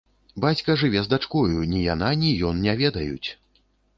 Бацька жыве з дачкою, ні яна, ні ён не ведаюць!